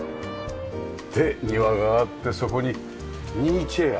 で庭があってそこにニーチェア？